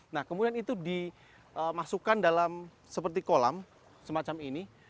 nah kemudian itu dimasukkan dalam seperti kolam semacam ini